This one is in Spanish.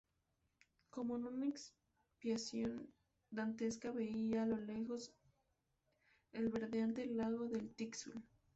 como en una expiación dantesca, veía a lo lejos el verdeante lago del Tixul